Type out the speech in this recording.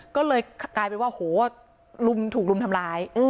ก็เลยกลายเป็นว่าโหลุมถูกรุมทำร้าย